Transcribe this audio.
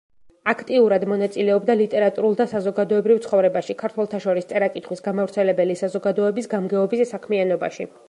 აქტიურად მონაწილეობდა ლიტერატურულ და საზოგადოებრივ ცხოვრებაში, ქართველთა შორის წერა-კითხვის გამავრცელებელი საზოგადოების გამგეობის საქმიანობაში.